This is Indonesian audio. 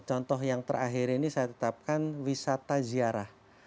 contoh yang terakhir ini saya tetapkan wisata ziarah